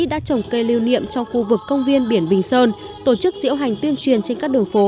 đã trồng cây lưu niệm trong khu vực công viên biển bình sơn tổ chức diễu hành tuyên truyền trên các đường phố